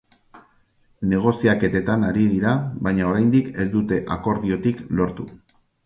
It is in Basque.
Negoziaketetan ari dira baina oraindik ez dute akordiotik lortu.